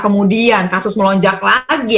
kemudian kasus melonjak lagi